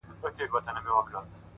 د حقیقت درناوی شخصیت لوړوي.!